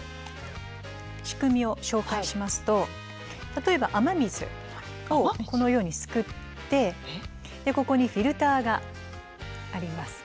仕組みを紹介しますと例えば雨水をこのようにすくってここにフィルターがあります。